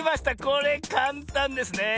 これかんたんですね。